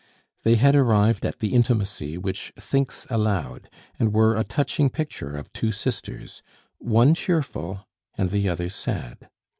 They had arrived at the intimacy which thinks aloud, and were a touching picture of two sisters, one cheerful and the other sad.